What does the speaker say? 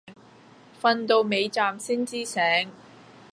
瞓到尾站先知醒